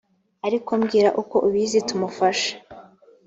ariko mbwira uko ubizi tumufashe